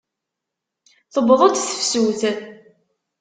Tewweḍ-d tefsut.